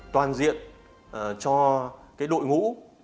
toàn diện cho đội ngũ